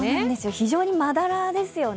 非常にまだらですよね。